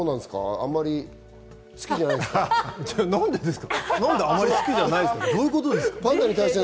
あまり好きじゃないですか？